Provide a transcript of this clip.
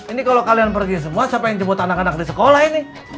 ini kalau kalian pergi semua siapa yang jemput anak anak di sekolah ini